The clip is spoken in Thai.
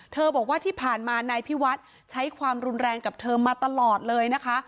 บอกว่าที่ผ่านมานายพิวัฒน์ใช้ความรุนแรงกับเธอมาตลอดเลยนะคะ